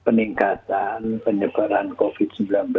peningkatan penyebaran covid sembilan belas